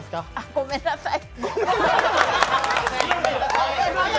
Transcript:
ごめんなさい。